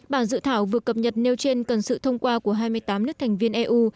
bản dự thảo vừa cập nhật nêu trên cần sự thông qua của hai mươi tám nước thành viên eu